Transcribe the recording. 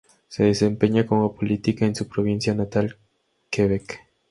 Se desempeña como política en su provincia natal, Quebec.